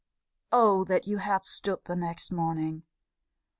Oh! that you had stood the next morning!